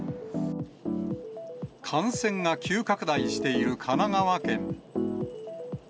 感染が急拡大している神奈川県。